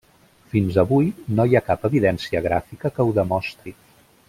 Fins avui, no hi ha cap evidència gràfica que ho demostri.